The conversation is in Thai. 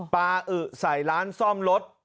บ๊าอึดใส่ร้านซ่อมรถ